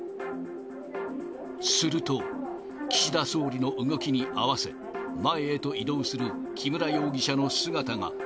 すると、岸田総理の動きに合わせ、前へと移動する木村容疑者の姿が。